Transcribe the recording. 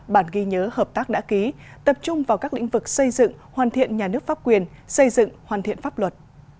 bản ghi nhớ hợp tác đã ký tập trung vào các lĩnh vực xây dựng hoàn thiện nhà nước pháp quyền xây dựng hoàn thiện pháp luật